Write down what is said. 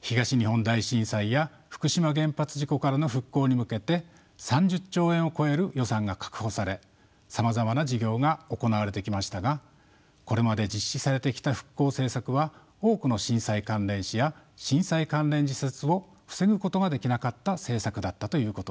東日本大震災や福島原発事故からの復興に向けて３０兆円を超える予算が確保されさまざまな事業が行われてきましたがこれまで実施されてきた復興政策は多くの震災関連死や震災関連自殺を防ぐことができなかった政策だったということです。